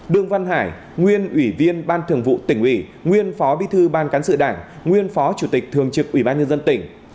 đương văn hải nguyên ủy viên ban thường vụ tỉnh ủy nguyên phó bí thư ban cán sự đảng nguyên phó chủ tịch thường trực ủy ban nhân dân tỉnh